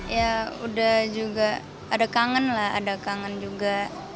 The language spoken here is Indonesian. ya udah juga ada kangen lah ada kangen juga